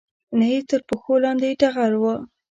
نه یې تر پښو لاندې ټغر و